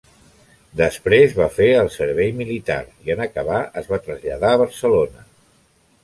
Després va fer el servei militar i en acabar es va traslladar a Barcelona.